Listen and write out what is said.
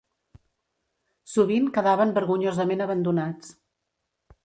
Sovint quedaven vergonyosament abandonats